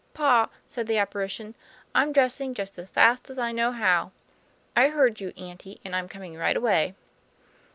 *Pa," said the apparition, "I'm dressing just as fast as I know how. I heard you, auntie, and I'm coming right away."